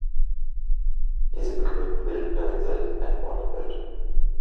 Diese Begriffe bilden damit selbst ein Wortfeld.